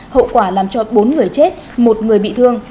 hậu quả làm cho bốn người chết một người bị thương